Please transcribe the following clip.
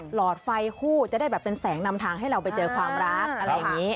หลอดไฟคู่จะได้แบบเป็นแสงนำทางให้เราไปเจอความรักอะไรอย่างนี้